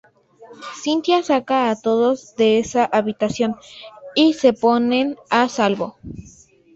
Cynthia saca a todos de esa habitación y se ponen a salvo.